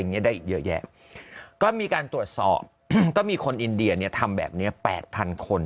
อย่างนี้ได้เยอะแยะก็มีการตรวจสอบก็มีคนอินเดียเนี่ยทำแบบเนี่ย๘๐๐๐คน